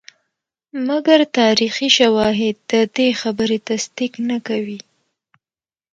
مګر تاریخي شواهد ددې خبرې تصدیق نه کوي.